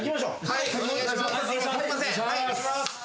はいお願いします。